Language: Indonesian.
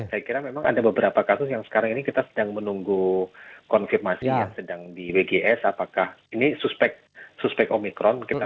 saya kira memang ada beberapa kasus yang sekarang ini kita sedang menunggu konfirmasi yang sedang di wgs apakah ini suspek omikron